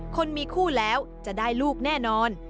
คนมีคู่แล้วจะได้ลูกแน่นอน